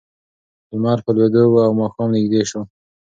لمر په لوېدو و او ماښام نږدې شو.